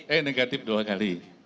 eh negatif dua kali